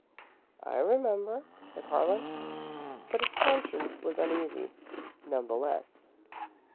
"I remember," said Harlan. But his conscience was uneasy, none the less.